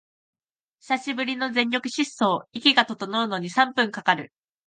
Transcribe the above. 久しぶりの全力疾走、息が整うのに三分かかる